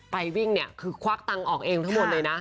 ไปวิ่งเนี่ยคือควักตังค์ออกเองทั้งหมดเลยนะ